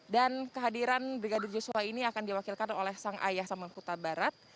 dan kehadiran brigadir yosua ini akan diwakilkan oleh sang ayah sambung kota barat